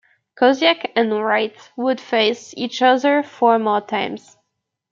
Koziak and Wright would face each other four more times.